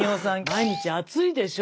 毎日暑いでしょ？